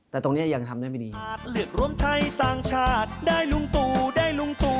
แต่ตรงนี้ยังทำได้ไม่ดี